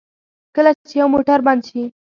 کله چې یو موټر بند شي.